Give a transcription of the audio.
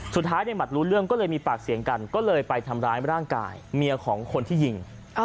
สุดท้ายในหมัดรู้เรื่องก็เลยมีปากเสียงกันก็เลยไปทำร้ายร่างกายเมียของคนที่ยิง